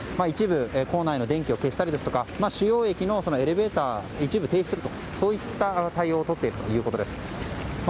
一部、構内の電気を消したり主要駅のエレベーターを一部停止するといったそういった対応をとっているということです。